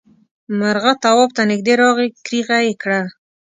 مرغه تواب ته نږدې راغی کريغه یې کړه.